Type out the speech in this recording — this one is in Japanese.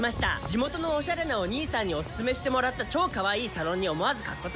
地元のおしゃれなおにいさんにおすすめしてもらった超かわいいサロンに思わずかっこつけてしまう僕！」。